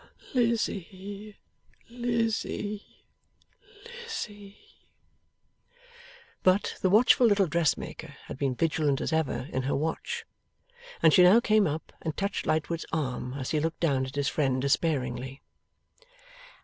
Lizzie, Lizzie, Lizzie. But, the watchful little dressmaker had been vigilant as ever in her watch, and she now came up and touched Lightwood's arm as he looked down at his friend, despairingly.